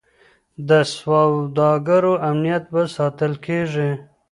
د سوداګرو امنیت به ساتل کیږي.